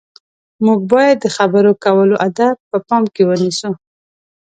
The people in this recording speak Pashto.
موږ باید د خبرو کولو اداب په پام کې ونیسو.